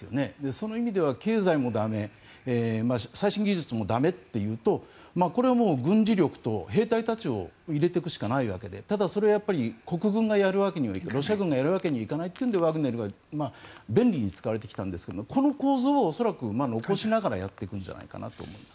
その意味では経済も駄目最新技術も駄目というとこれは軍事力と兵隊たちを入れていくしかないわけでただ、それは国軍がやるわけにはいかないロシア軍がやるわけにはいかないということでワグネルが便利に使われてきたんですがこの構図を恐らく残しながらやっていくんじゃないかと思います。